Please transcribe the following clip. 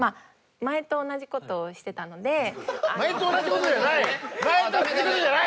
前と同じ事じゃない！